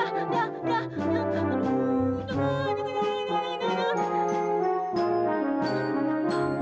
aduh jangan jangan jangan jangan jangan